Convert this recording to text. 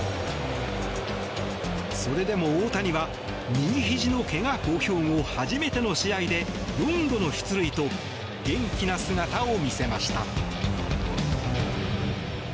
それでも大谷は右ひじのけが公表後初めての試合で、４度の出塁と元気な姿を見せました。